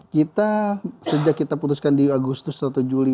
kita sejak kita putuskan di agustus atau juli